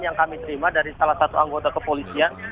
yang kami terima dari salah satu anggota kepolisian